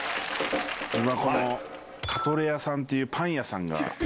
自分はこのカトレアさんっていうパン屋さんが。